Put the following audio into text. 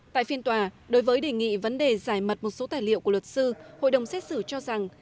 tại phiên tòa đối với đề nghị vấn đề giải mật một số tài liệu của luật sư hội đồng xét xử cho rằng